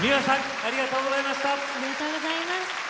ありがとうございます。